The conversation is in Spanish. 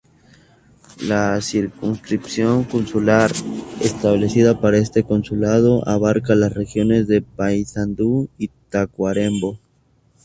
La "circunscripción consular", establecida para este consulado abarca las regiones de Paysandú y Tacuarembó.